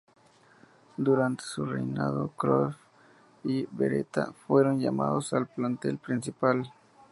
Durante su reinado, Croft y Beretta fueron llamados al plantel principal.